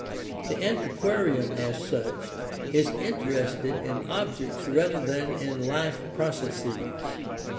The antiquarian, as such, is interested in objects rather than in life processes.